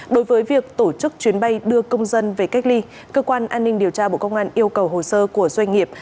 đối với việc tổ chức chuyến bay đưa công dân về cách ly cơ quan an ninh điều tra bộ công an yêu cầu hồ sơ của doanh nghiệp